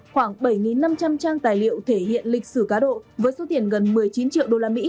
khoảng bảy năm trăm linh trang tài liệu thể hiện lịch sử cá độ với số tiền gần một mươi chín triệu usd